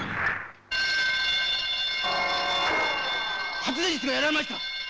発電室がやられました！